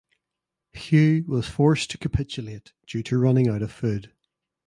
Hugh was forced to capitulate due to running out of food.